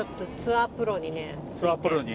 ツアープロに？